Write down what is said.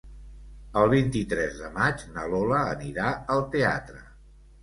El vint-i-tres de maig na Lola anirà al teatre.